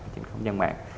trên không gian mạng